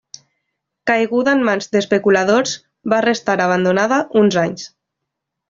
Caiguda en mans d'especuladors, va restar abandonada uns anys.